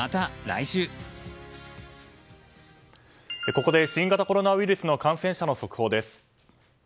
ここで新型コロナウイルスの感染者の速報です。